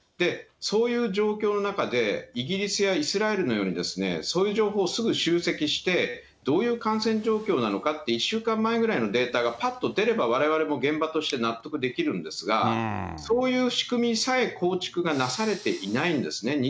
そういう状況の中で、イギリスやイスラエルのようにそういう情報をすぐ集積して、どういう感染状況なのかって、１週間前ぐらいのデータがぱっと出ればわれわれも現場として納得できるんですが、そういう仕組みさえ構築がなされていないんですね。